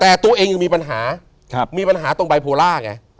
แต่ตัวเองยังมีปัญหามีปัญหาตรงบายโพล่าไง